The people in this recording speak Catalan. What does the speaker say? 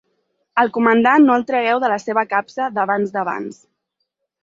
Al Comandant no el tragueu de la seva capsa d'havans d'abans.